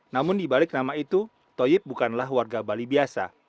namun dibalik nama itu toyib bukanlah warga bali biasa